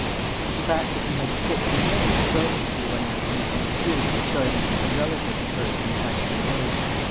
The fact that we had to fix a day was broken to me one afternoon when Celia was showing me to some relatives of hers in the Addison Road.